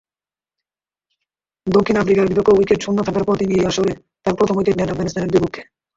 দক্ষিণ আফ্রিকার বিপক্ষেও উইকেট শূন্য থাকার পর তিনি এই আসরে তার প্রথম উইকেট নেন আফগানিস্তানের বিপক্ষে।